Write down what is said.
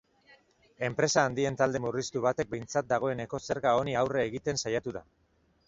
Enpresa handien talde murriztu batek behintzat dagoeneko zerga honi aurre egiten saiatu da.